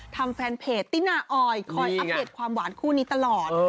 แฟนเพจตินาออยคอยอัปเดตความหวานคู่นี้ตลอด